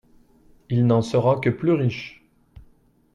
Il n'en sera que plus riche.